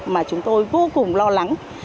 mà chúng tôi vô cùng lo lắng